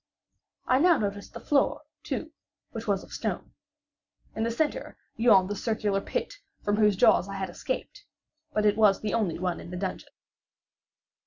I now noticed the floor, too, which was of stone. In the centre yawned the circular pit from whose jaws I had escaped; but it was the only one in the dungeon.